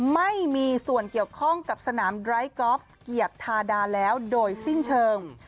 ไม่มีส่วนเกี่ยวข้องกับสนามไร้กอล์ฟเกียรติธาดาแล้วโดยสิ้นเชิง